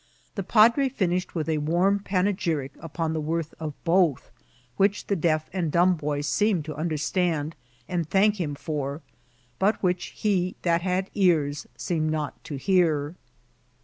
The padre finished with a warm panegyric upon the worth of both, which the deaf and dumb boy seemed to understand and thank him for, but which he that had ears seemed not to hear.